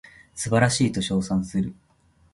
素晴らしいと称賛する